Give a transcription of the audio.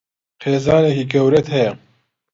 خێزانێکی گەورەت هەیە؟